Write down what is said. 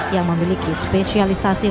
yang memiliki spesialisasi muslim